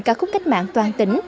các khúc cách mạng toàn tỉnh